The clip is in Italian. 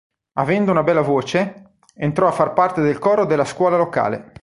Avendo una bella voce, entrò a far parte del coro della scuola locale.